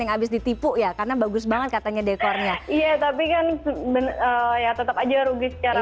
yang habis ditipu ya karena bagus banget katanya dekornya iya tapi kan bener ya tetap aja rugi secara